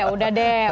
ya udah deh